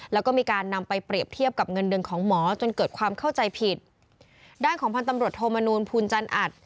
แล้วก็มีการนำไปเปรียบเทียบกับเงินเดือนของหมอจนเกิดความเข้าใจผิดด้านของพันธ์ตำรวจโทมนูลภูลจันอัด